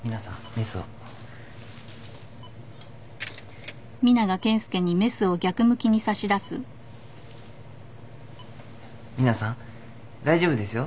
ミナさん大丈夫ですよ。